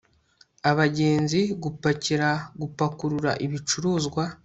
abagenzi gupakira gupakurura ibicuruzwa